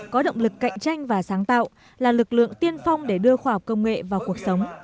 có động lực cạnh tranh và sáng tạo là lực lượng tiên phong để đưa khoa học công nghệ vào cuộc sống